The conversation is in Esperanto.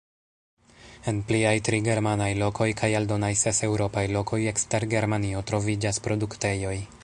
En pliaj tri germanaj lokoj kaj aldonaj ses eŭropaj lokoj ekster Germanio troviĝas produktejoj.